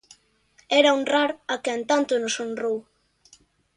Era honrar a quen tanto nos honrou.